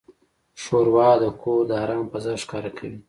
ښوروا د کور د آرام فضا ښکاره کوي.